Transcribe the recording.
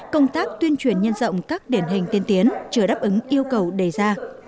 công tác tuyên truyền nhân rộng các điển hình tiên tiến chưa đáp ứng yêu cầu đề ra